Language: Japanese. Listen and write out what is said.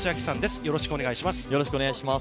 ◆よろしくお願いします。